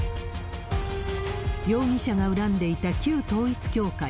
容疑者が恨んでいた旧統一教会。